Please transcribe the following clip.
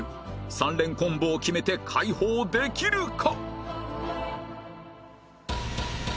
３連コンボを決めて解放できるか？